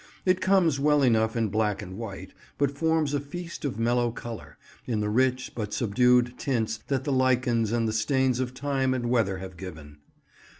It comes well enough in black and white, but forms a feast of mellow colour, in the rich but subdued tints that the lichens and the stains of time and weather have given.